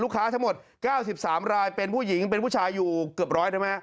ลูกค้าทั้งหมดเก้าสิบสามรายเป็นผู้หญิงเป็นผู้ชายอยู่เกือบร้อยนะฮะ